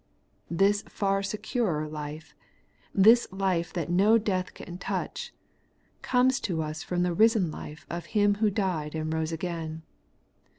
This far securer life, this life that no death can touch, comes to us from the risen life of Him who died and rose again.